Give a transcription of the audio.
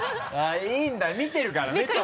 いいんだ見てるからねちゃんと。